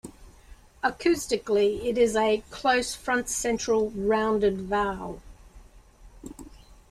Acoustically it is a "close front-central rounded vowel".